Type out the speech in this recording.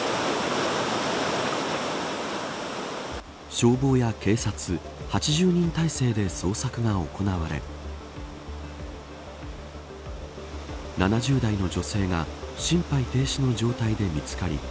消防や警察８０人態勢で捜索が行われ７０代の女性が心肺停止の状態で見つかり